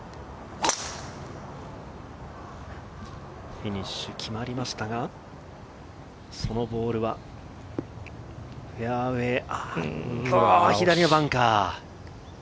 フィニッシュ決まりましたが、そのボールは左のバンカー。